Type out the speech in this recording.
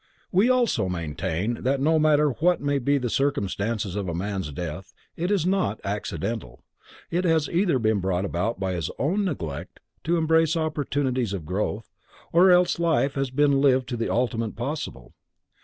We also maintain, that no matter what may be the circumstances of a man's death, it is not accidental; it has either been brought about by his own neglect to embrace opportunities of growth, or else life has been lived to the ultimate possible.